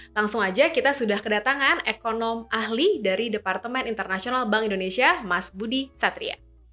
langsung aja kita sudah kedatangan ekonom ahli dari departemen internasional bank indonesia mas budi satria